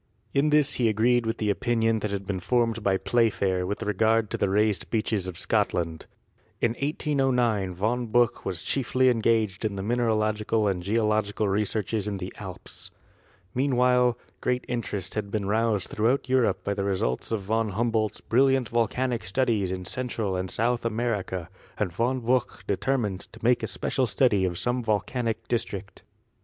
In this he agreed with the opinion that had been formed by Playfair with regard to the raised beaches of Scotland. In 1809 Von Buch was chiefly engaged in mineralogical and geological researches in the Alps. Meanwhile great interest had been roused throughout Europe by the results of Von Humboldt's brilliant volcanic studies in Central and South America, and Von Buch determined to make a spe cial study of some volcanic district.